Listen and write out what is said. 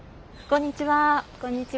こんにちは。